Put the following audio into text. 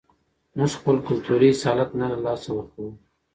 موږ خپل کلتوري اصالت نه له لاسه ورکوو.